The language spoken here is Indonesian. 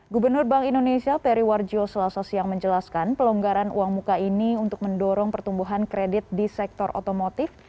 gubernur bank indonesia periwarjo selasa siang menjelaskan pelonggaran uang muka ini untuk mendorong pertumbuhan kredit di sektor otomotif